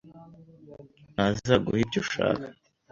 ntazaguha ibyo ushaka.